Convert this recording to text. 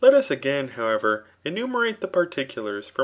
as ^g^f however, enumerate the psurticuUrs from^. whi<^